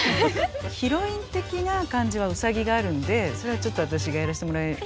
ヒロイン的な感じはウサギがあるんでそれはちょっと私がやらしてもらえると。